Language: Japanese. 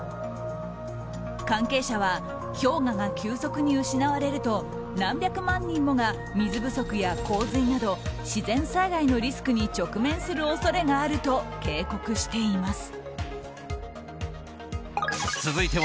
関係者は氷河が急速に失われると何百万人もが水不足や洪水など自然災害のリスクに直面する恐れがあると警告しています。